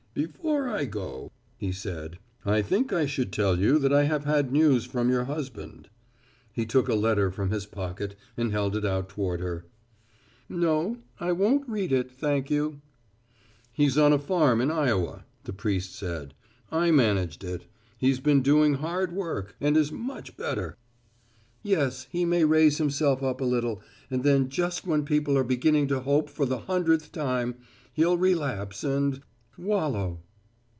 "Before I go," he said, "I think I should tell you that I have had news from your husband." He took a letter from his pocket and held it out toward her. "No I won't read it, thank you." "He's on a farm in Iowa," the priest said, "I managed it. He's been doing hard work and is much better." "Yes, he may raise himself up a little, and then just when people are beginning to hope for the hundredth time, he'll relapse and wallow."